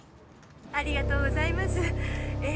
「ありがとうございます」